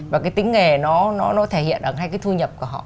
và cái tính nghề nó thể hiện ở hai cái thu nhập của họ